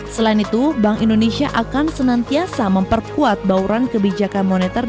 selain itu bank indonesia akan senantiasa memperkuat bauran ekonomi dan menjaga momentum pertumbuhan ekonomi